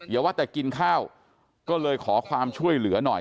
อย่าว่าแต่กินข้าวก็เลยขอความช่วยเหลือหน่อย